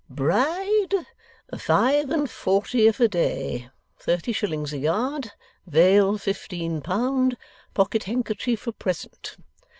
'Bride; five and forty if a day, thirty shillings a yard, veil fifteen pound, pocket handkerchief a present.